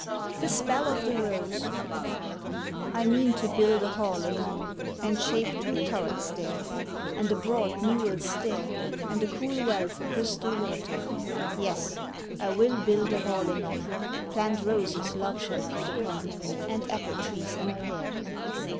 THE SPELL OF THE ROSE "I MEAN to build a hall anon, And shape two turrets there, And a broad newelled stair, And a cool well for crystal water; Yes; I will build a hall anon, Plant roses love shall feed upon, And apple trees and pear."